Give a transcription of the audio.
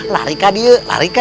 lari kak lari kak